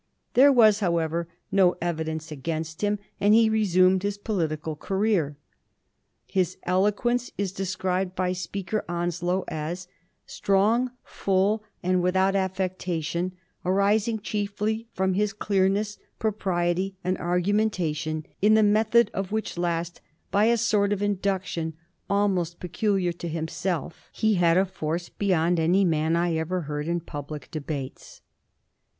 There was, however, no evidence against him, and he resumed his political cai'eer. His eloquence is described by Speaker Onslow as * strong, full, and without affectation, arising chiefly fi om his clearness, propriety, and argumentation ; in the method of which last, by a sort of induction almost peculiar to himself, he had a force beyond any man I ever heard in public debates.'